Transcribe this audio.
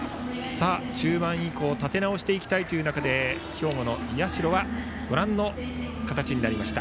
中盤以降、立て直していきたいという中で兵庫の社はご覧の形になりました。